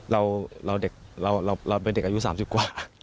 เราเป็นเด็กอายุ๓๐กว่า